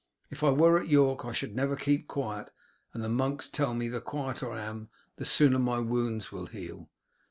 If I were at York I should never keep quiet; and the monks tell me the quieter I am the sooner my wounds will heal.